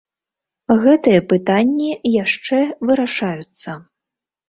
Гэтыя пытанні яшчэ вырашаюцца.